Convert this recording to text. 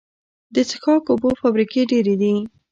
د څښاک اوبو فابریکې ډیرې دي